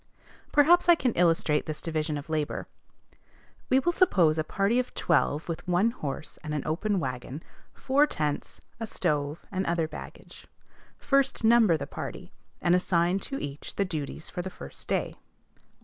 Perhaps I can illustrate this division of labor. We will suppose a party of twelve with one horse and an open wagon, four tents, a stove, and other baggage. First, number the party, and assign to each the duties for the first day.